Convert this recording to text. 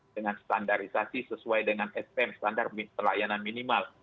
dengan standarisasi sesuai dengan spm standar pelayanan minimal